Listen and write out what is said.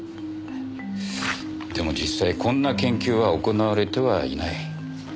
でも実際こんな研究は行われてはいない。